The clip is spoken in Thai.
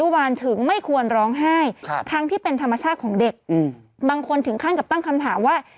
บางคนถึงขั้นกับตั้งคำถามว่า